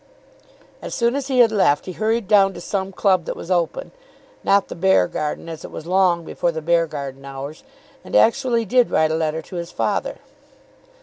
As soon as he had left he hurried down to some club that was open, not the Beargarden, as it was long before the Beargarden hours, and actually did write a letter to his father.